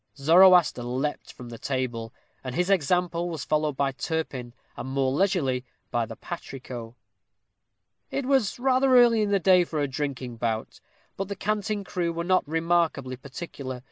Zoroaster leaped from the table, and his example was followed by Turpin, and more leisurely by the patrico. It was rather early in the day for a drinking bout. But the Canting Crew were not remarkably particular.